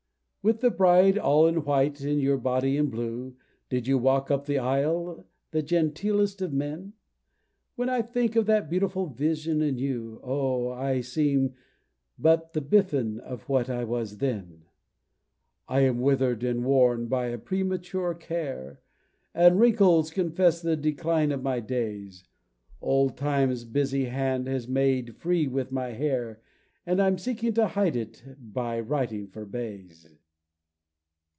With the Bride all in white, and your body in blue, Did you walk up the aisle the genteelest of men? When I think of that beautiful vision anew, Oh! I seem but the biffin of what I was then! I am withered and worn by a premature care, And wrinkles confess the decline of my days; Old Time's busy hand has made free with my hair, And I'm seeking to hide it by writing for bays!